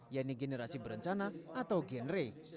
yaitu generasi berencana atau genre